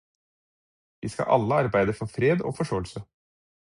Vi skal alle arbeide for fred og forsåelse.